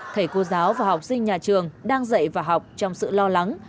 thầy cô giáo và học sinh nhà trường đang dạy và học trong sự lo lắng